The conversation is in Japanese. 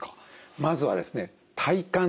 まずはですね